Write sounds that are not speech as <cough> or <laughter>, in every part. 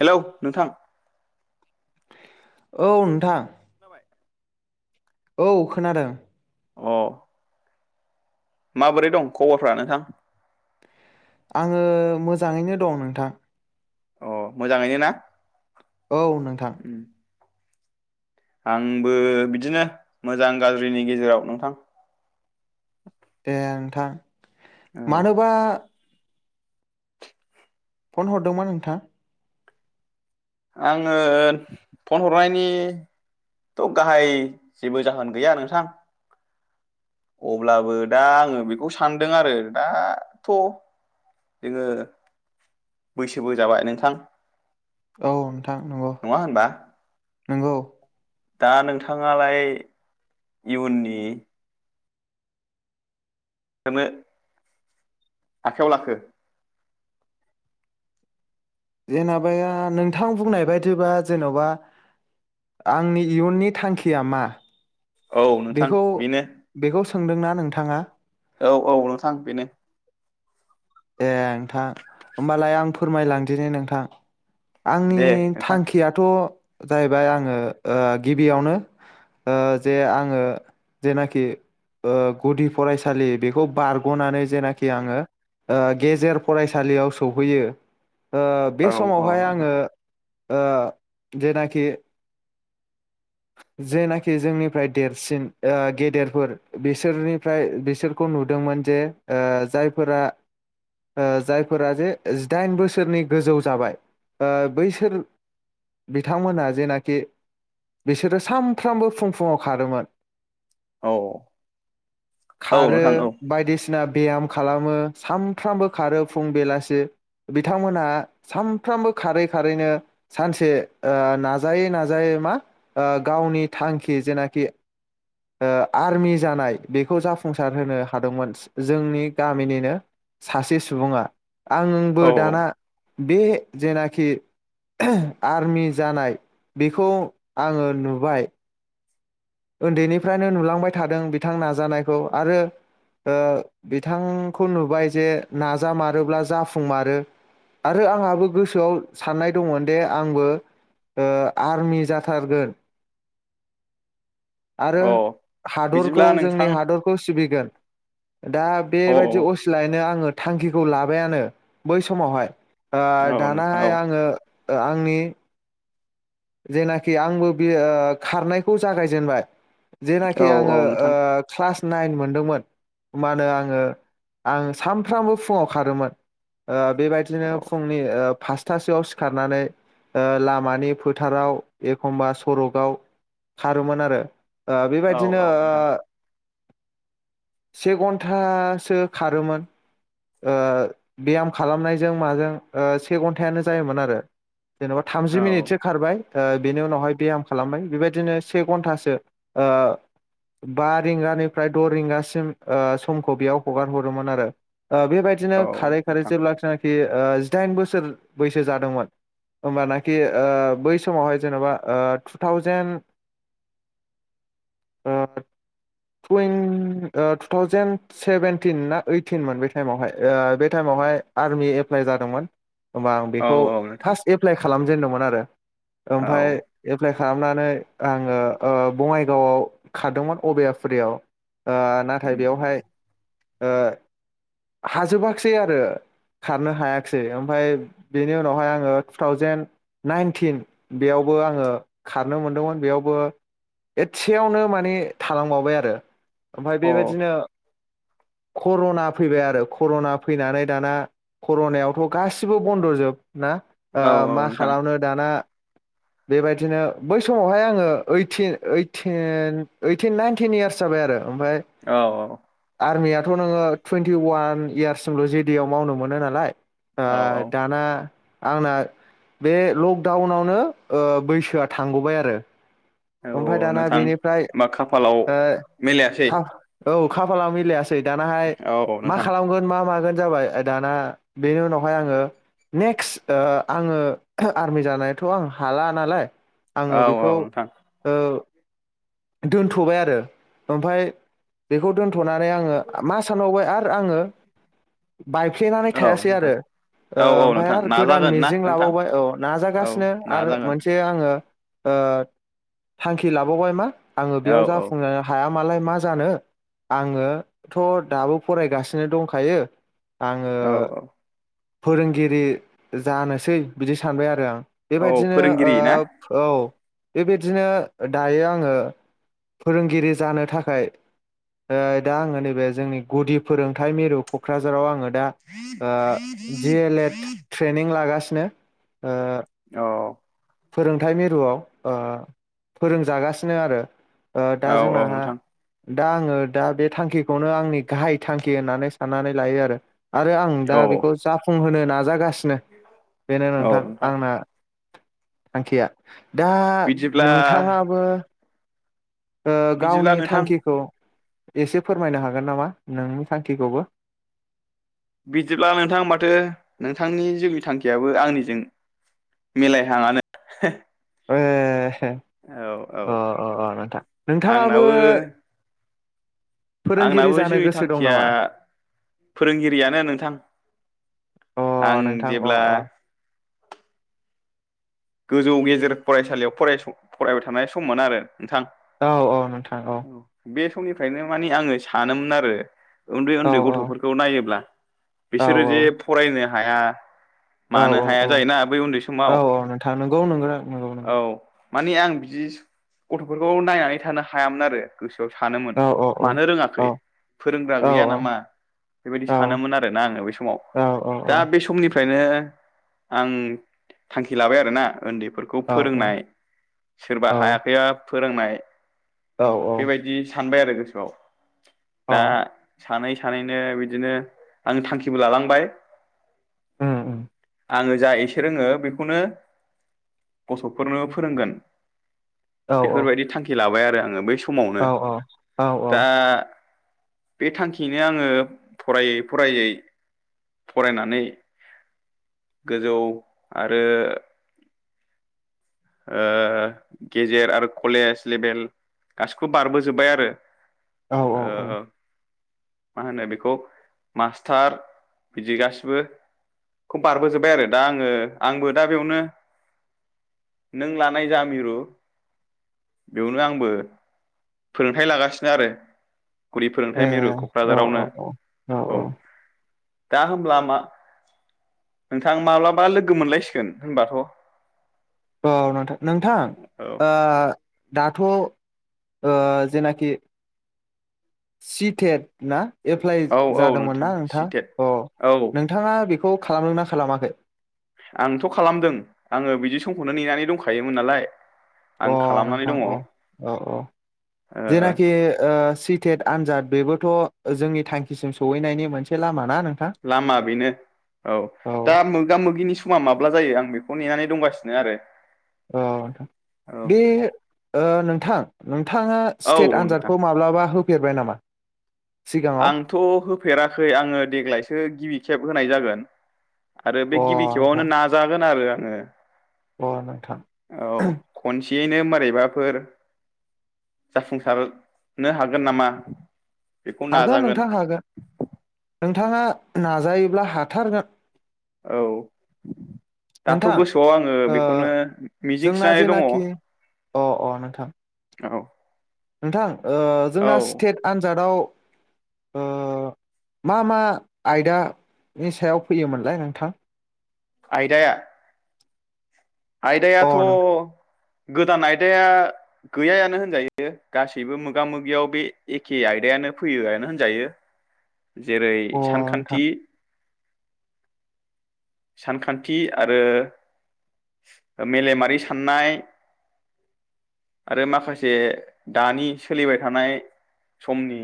Hello नोंथां औ नोंथां औ खोनादों अ माबोरै दं खबरफ्रा नोंथां आङो मोजाङैनो दं नोंथां अ मोजाङैनो ना औ नोंथां उम आंबो बिदिनो मोजां गाज्रिनि गेजेराव नोंथां दे नोंथां औ मानोबा फन हरदोंमोन नोंथां आङो फन हरनायनिथ' गाहाय जेबो जाहोन गैया नोंथां अब्लाबो दा आङो बेखौ सानदों आरो दाथ' जोङो बैसोबो जाबाय नोंथां औ नोंथां नङा होनबा नोंगौ दा नोंथाङालाय इयुननि <unintelligible> आखायाव लाखो जेनेबाया नोंथां बुंनाय बायदिबा जेन'बा आंनि इयुननि थांखिया मा औ नोंथां बेखौ बेनो बेखौ सोंदोंना नोंथाङा औ औ नोंथां बेनो ए था होमबालाय आं फो फोरमायलांदिनि नोंथां आंनि दे नोंथां थांखियाथ' जाहैबाय आङो ओ गिबियावनो ओ जे आङो जेनाखि ओ गुदि फरायसालि बेखौ बारग'नानै जेनाखि आङो ओ गेजेर फरायसालियाव सौहैयो ओ औ बे औ समावहाय नोंथां आङो ओ जेनाखि जेनाखि जोंनिफ्राय देरसिन ओ गेदेरफोर बिसोरनिफ्राय बिसोरखौ नुदोंमोन जे ओ जायफोरा ओ जायफोरा जे जिदाइन बोसोरनि गोजौ जाबाय ओ बैसोर बिथांमोनहा जेनाखि बिसोरो सामफ्रामबो फुं फुङाव खारोमोन औ औ नोंथां औ सिना बेयाम खालामो सानफ्रामबो खारो फुं बेलासि बिथांमोनहा सानफ्रामबो खारै खारैनो सानसे ओ नाजायै नाजायै मा ओ गावनि थांखि जेनाखि ओ आर्मि जानाय बेखौ जाफुंसार होनो हादोंमोन जो जोंनि गामिनिनो सासे सुबुङा आंबो औ दाना बे जेनाखि आर्मि जानाय बिखौ आङो नुबाय ओन्दैनिफ्रायनो नुलांबाय थादों बिथां नाजानायखौ आरो ओ बिथांखौ नुबाय जे नाजामारोब्ला जाफुंमारो आरो आंहाबो गोसोआव साननाय दंमोनदि आंबो ओ आर्मि जाथारगोन आरो औ हादरखौ बिदिब्ला जोंनि नोंथां हादरखौ सिबिगोन दा औ बेबायदि असिलायैनो आङो थांखिखौ लाबायानो बै समावहाय ओ औ नोंथां औ दानाहाय आङो ओ आंनि जेनाखि आंबो बेयो ओ खारनायखौ जागायजेनबाय औ जेनाखि औ आङो नोंथां ओ क्लास नाइन मोनदोंमोन होमबानो आङो आं सानफ्रामबो फुङाव खारोमोन औ बेबायथ्रिनो फुंनि ओ फास थासोआव सिखारनानै ओ लामानि फो थाराव एखमबा सरकआव खारोमोन आरो ओ औ बेबायदिनो औ नोंथां ओ से घन्टासो खारोमोन ओ ब्याम खालामनायजों माजों ओ से घन्टायानो जायामोन आरो जेन'बा औ थामजि मिनिटसो खारबाय ओ बेनि उनावहाय ब्याम खालामबाय बेबायदिनो से घन्टासो ओ बा रिंगानिफ्राय द' रिंगासिम ओ समखौ बेयाव हगार हरोमोन आरो ओ बेबायदिनो औ खारै खारै नोंथां जेब्ला थिनाखि फि ओ जिदाइन बौसोर बैसो जादोंमोन होनबानाकि ओ बै समावहाय जेन'बा ओ थु थावजेन ओ टुइन ओ थु थावजेन सेभेनटिन ना ओइटिनमोन बै टाइमावहाय ओ बे टाइमावहाय आरमि एप्लाइ जादोंमोन होमबा आं औ बेखौ औ नोंथां फास्ट एप्लाइ खा खालामजेनदोंमोन आरो औ अ ओमफ्राय एप्लाइ खालामनानै आङो ओ बङाइगावआव खारदोंमोन अबयापुरियाव ओ नाथाय बेयावहाय ओ हाजोबाखसै आरो खारनो हायाखसै ओमफाय बेनि उनावहाय आङो टुथावजेेन नाइनटिन बेयावबो आङो खारनो मोनदोंमोन बेयावबो एसेयावनो माने थालांबावबाय आरो ओमफाय बेबादिनो कर'ना फैबाय आरो कर'ना फैनानै दाना कर'नायावथ' गासिबो बन्द'जोब ना ओ औ औ मा नोंथां खालामनो औ दाना बेबायदिनो बै समावहाय आङो ओइ टिन ओइ टिन ओइ ओइटिन नाइनटिन इयार्स जाबाय आरो ओमफ्राय औ आरमिया थ' नोङो टुवेन्टि अवान इयार्ससिमल' जे डि आव मावनो मोनो नालाय आ औ औ दाना आंना बे लकडाउनावनो ओ बैसोआ थांगौबाय आरो औ ओमफ्राय दाना नोंथां बेनिफ्राय होमबा खाफालाव ओ मिलायासै खा औ खाफाला मिलायास थै दानाहाय औ औ मा नोंथां खालामोन मा मागोन जाबाय दाना बेनि उनावहाय आङो नेक्स ओ आङो आर्मि जानायाथ' आं हाला नालाय आङो औ औ बेखौ नोंथां ओ दोनथ'बाय आरो ओमफाय बेखौ दोनथ'नानै आङो मा सानबावबाय आरो आङो बायफ्लेनानै औ थायासै नोंथां आरो ओ औ औ ओमफाय नोंथां आरो गोदान नाजागोन ना मिजिं नोंथां लाबावबाय औ औ नाजागासिनो आरो नाजागोन मोनसे आङो ओ थांखि लाबावबाय मा आङो औ बेयाव औ जाफुंनो हाया मालाय मा जानो आङोथ' दाबो फरायगासिनो दंखायो आङो औ औ फोरोंगिरि जानोसै बिदि सानबाय आरो आं औ बेबायदिनो फोरोंगिरि ना ओ औ बेबायदिनो दायो आङो फोरोंगिरि जानो थाखाय ओ दा आङो नैबे जोंनि गुदि फोरोंथाइ मिरु क'क्राझाराव आङो दा ओ दि येल एट ट्रेनिं लागासि <unintelligible> ओ औ फोरोंथाइ मिरुआव ओ फोरोंजागासिनो आरो दा औ औ जोंनाहा नोंथां दा आङो दा बे थांखिखौनो आंनि गाहाय थांखि होननानै साननानै लायो आरो आरो आं दा औ बेखौ जाफुंहोनो नाजागासिनो नो बेनो नोंथां आंना थांखिया दा बिदिब्ला नोंथाङाबो ओ बिदिब्ला गावनि नोंथां थांखिखौ एसे फोरमायनो हागोन नामा नोंनि थांखिखौबो बिदिब्ला नोंथां माथो नोंथांनि जोंनि थांखियाबो आंनिजों मिलायहांयानो ओ औ अ अ अ नोंथां नोंथाङाबो आंनाबो फोरोंगिरि आंनाबो जानो जिउनि गोसो दं थांखिया नामा फोरोंगिरियानो नोंथां अ आं नोंथां अ जेब्ला गोजौ गेजेर फरायसालियाव फरायसं फरायबाय थानाय समानो आरो नोंथां औ औ नोंथां औ बे समनिफ्रायनो मानि आङो सानोमोन आरो उन्दै औ उन्दै गथ'फोरखौ नायोब्ला औ बिसोरो जे फरायनो हाया मानो हाया जायोना बै उन्दै समाव नगौ नंगौ नंगौ औ नंगौ माने आं बिदि गथ'फोरखौ नायनानै थानो हायामोन आरो गोसो सानोमोन औ औ मानो औ औ रोङाखै फोरोंग्रा औ गैया नामा बेबायदि औ सानोमोन आरोना आङो बे समाव औ औ औ दा बे समनिफ्राय ओनिफ्रायनो आं थांखि लाबाय आरोना उनदै फोरखौ फोरोंनाय सोरबा औ हायाखैबा फोरोंनाय औ औ बेबायदि सानबाय आरो गोसोआव औ दा सानै सानैनो बिदिनो आं थांखिबो लालांबाय ओम ओम आङो जा एसे रोङो बेखौनो गसकफोरनो फोरो्ं औ औ बेफोरबायदि थांखि लाबाय आरो आङो बै सम समावनो औ औ दा बे थांखियैनो आङो फरायै फरायै फरायनानै गोजौ आरो ओ गेजेर आरो कलेज लेभेल गासिखौबो बारबो जोबबाय आरो औ मा होनो बेखौ मास्टार बिदि गासिबो खौ बारबोजोबबाय आरो दा आङो आंबो दा बेयावनो नों लानाय जा मिरु बेयावनो आंबो फोरोंथाइ लागासिनो आरो गुदि औ फोयोंथाय मेरुखौ क'क्राझारावनो औ दा होमब्ला मा नोंथां माब्लाबा लोगो मोनलायसिगोन होनबाथ' औ नोंथां नोंथां ओ दाथ' ओ जेनाखि सिथेथ ना एप्लाइ औ औ जादोंमोन ना नोंथां सिटेट अ औ नोंथाङा बेखौ खालामदों ना खालामाखै आंथ' खालामदों आङो बिदि समखौनो नेनानै दंखायोमोन नालाय आं अ खालामनानै नोंथां दङ ओ अ औ औ जेनाखि ओ सिथेथ आनजाद बेबो थ' जोंनि थांखिसिम सौहैनायनि मोनसे लामा ना नोंथां लामा बेनो औ दा मोगा मोगिनि समा माब्ला जायो आं आं बेखौ नेनानै दंगासिनो आरो औ नोंथां औ बे ओ नोंथां नों नोंथाङा औ सिथेथ नोंथां आनजादखौ माब्लाबा हो सम नो फेरबाय नामा सिगाङाव आंथ' होफेराखै आङो देग्लायसो गिबि खि खेब होनाय जागोन आरो बे अ गिबि खेबावनो नोंथां नाजागोन आरो आं ए अ नोंथां औ खनसेयैनो मारैबाफोर जाफुंसारनो हागोन नामा बेखौ हागोन नाजागोन नोंथां हागोन नोंथाङा नाजायोब्ला हाथारगोन औ दाथ' नोंथां गोसोआव आङो ओ बेखौनो मिजिं जोंना थिनानै दङ औ जेनाखि अ अ नोंथां नोंथां ओ जोंना औ स्टेट आनजादाव ओ मा मा आयदानि सायाव फैयोमोनलाय नोंथां आयदाया अ आयदायाथ' नोंथां गोदान आयदाया गैयायानो होनजायो गासैबो मोगा मोगियाव बे एखे आयदायानो फैयोआनो होनजायो जेरै अ नोंथां सानखान्थि सानखान्थि आरो मेलेमारि सान्नाय आरो माखासे दानि सोलिबाय थानाय समनि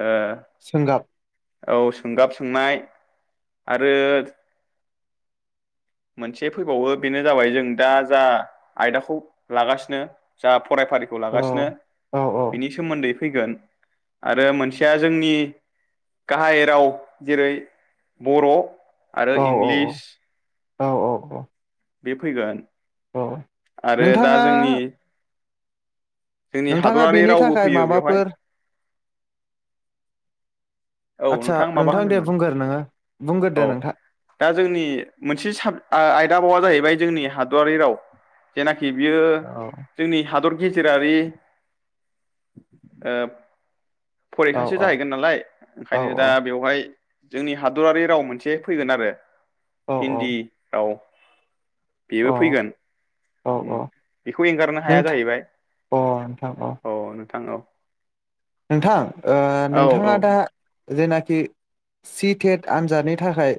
ओ सोंगाब औ सोंगाब सोंनाय आरो मोनसे फैबावो बेनो जाबाय जों दा जा आयदाखौ लागासिनो जा फरायफारिखौ अ लागासिनो औ औ बिनि सोमोन्दै फैगोन आरो मोनसेया जोंनि गाहाय राव जेरै बर' आरो औ इंलिस औ औ औ बे फैगोन औ आरो दा नोंथाङा जोंनि जोंनि नोंथाङा हादरारि बेनि रावबो थाखाय फैयो बेवहाय माबाफोर औ आदसा माबा नोंथां दे होनदोंमोन बुंगोर नोङो औ बुंगोरदो नोंथां दा जोंनि मोनसे साब आ-आयदाबावा जाहैबाय जोंनि हादआरारि राव जेनाखि बियो औ जोंनि हादर गेजेरारि ओ औ फरिखासो औ जाहैगोन नालाय औ ओंखायनो दा बेवहाय जोंनि हादरारि राव मोनसे फैगोन आरो औ हिन्दी आव बेबो औ फैगोन औ ओम औ बेखौ एंगारनो हाया नोंथां जाहैबाय अ नोंथां औ थां औ नोंथां ओ औ नोंथाङा औ दा जेनाखि सि टेट आनजादनि थाखाय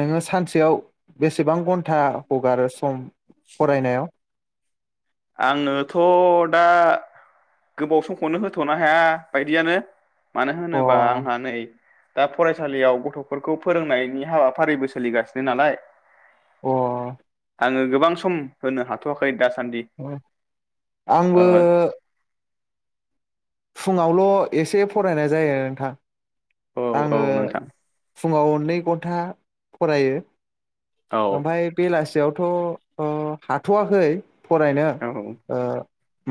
नोङो सानसेयाव बेसेबां घन्टा हगारो सम फरायनायाव आङनोथ दा गोबाव समखौनो होथनो हाया बायदियानो मानो अ होनोबा आंहा नै दा फरायसालियाव गथफोरखौ फोरोंनायनि हाबाफारिबो सोलिगासिनो नालाय अ आङो गोबां स म होनो हाथवाखै दासान्दि आंबो फुङावल एसे फरायनाय जायो नोंथां ओ औ औ आङो नोंथां फुङाव नै गथा फरायो। औ ओमफाय बेलासियाव थ आं हाथवाखै फरायनो औ ओ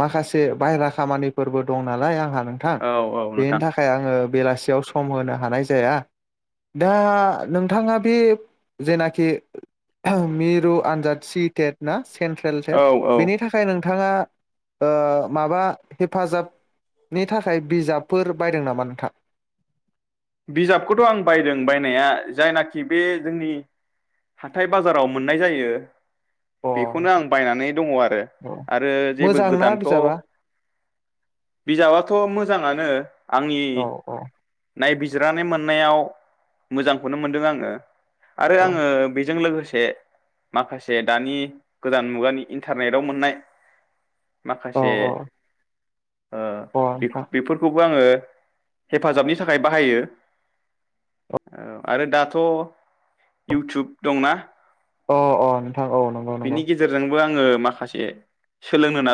माखासे बाहेरा खामानिफोरबो दं नालाय आंहा। नोंथां औ औ बेनि नोंथां थाखाय आङो। बेलासियाव सम होनो हानाय जाया दा नोंथाङा बे जेनाखि मिरु आनजाद सिटेट ना? सेन्ट्रेल टेट औ औ बेनि थाखाय नोंथाङा ओ माबा हेफाजाबनि थाखाय बिजाबफोर बायदों नामा नोंथां? बिजाबखौथ' आं बायदों बायनाया जायनाखि बे जोंनि हाथाय बाजाराव मोननाय जायो अ बेखौनो आं बायनानै दङ आरो अ आरो जेबो मोजांना गोदानथ बिजाबा बिजाबाथ मो मोजाङानो आंनि औ नायबिजिरनानै मोननायाव मोजांखौनो मोनदों आङो आरो औ आङो बेजों लोगोसे दे माखासे दानि गोदान मुगानि इन्टारनेटाव मोननाय औ माखासे ओ औ अ बेखौ नोंथां बेफोरखौबो आङो हेफाजाबनि थाखाय बाहायो औ आरो दाथ इउथुब दंना अ अ औ नंगौ नंगौ नाङो सोलोंनो नाजा